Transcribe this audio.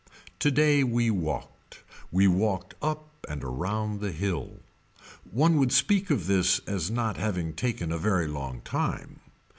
Today we walked. We walked up and around the hill. One would speak of this as not having taken a very long time.